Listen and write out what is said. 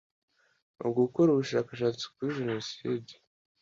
gukora ubushakashatsi kuri jenoside